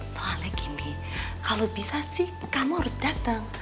soalnya gini kalau bisa sih kamu harus datang